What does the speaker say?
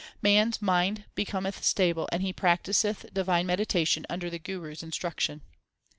Man s mind becometh stable, and he practiseth divine meditation under the Guru s instruction.